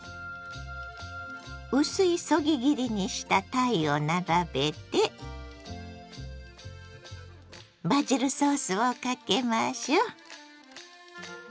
薄いそぎ切りにしたたいを並べてバジルソースをかけましょう！